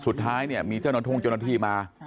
สุดท้ายมีเจ้านูนทุ่งเจ้านัตรีมา